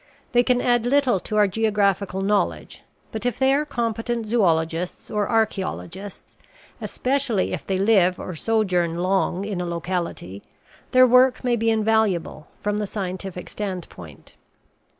They can add little to our geographical knowledge; but if they are competent zoologists or archaeologists, especially if they live or sojourn long in a locality, their work may be invaluable from the scientific standpoint.